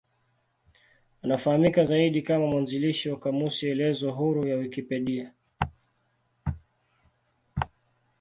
Anafahamika zaidi kama mwanzilishi wa kamusi elezo huru ya Wikipedia.